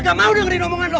gak mau dengerin omongan loh